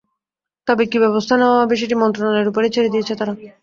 তবে কী ব্যবস্থা নেওয়া হবে, সেটি মন্ত্রণালয়ের ওপরই ছেড়ে দিয়েছে তারা।